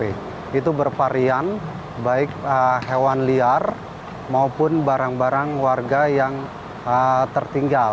itu bervarian baik hewan liar maupun barang barang warga yang tertinggal